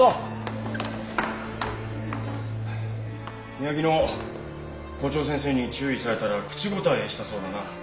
君は昨日校長先生に注意されたら口答えしたそうだな。